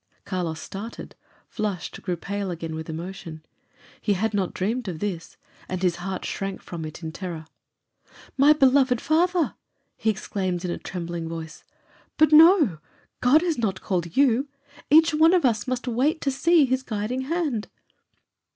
Carlos started, flushed, grew pale again with emotion. He had not dreamed of this, and his heart shrank from it in terror. "My beloved father!" he exclaimed in a trembling voice. "But no God has not called you. Each one of us must wait to see his guiding hand."